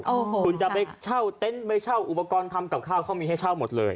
โอ้โหคุณจะไปเช่าเต็นต์ไปเช่าอุปกรณ์ทำกับข้าวเขามีให้เช่าหมดเลย